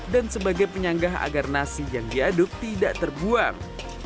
dan sebagai penyanggah agar nasi yang diaduk tidak terbuang